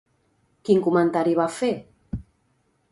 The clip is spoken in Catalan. Quin comentari va fer?